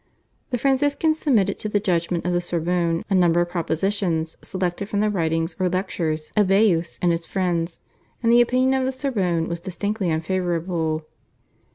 The Franciscans submitted to the judgment of the Sorbonne a number of propositions (18) selected from the writings or lectures of Baius and his friends, and the opinion of the Sorbonne was distinctly unfavourable.